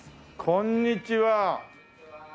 こんにちは。